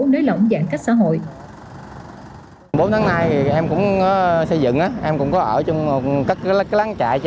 nới lỏng giãn cách xã hội bốn tháng nay thì em cũng xây dựng em cũng có ở trong các cái láng chạy che